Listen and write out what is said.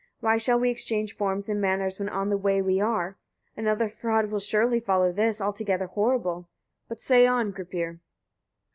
why shall we exchange forms and manners, when on the way we are? Another fraud will surely follow this, altogether horrible. But say on, Gripir!